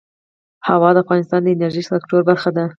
هوا د افغانستان د انرژۍ سکتور برخه ده.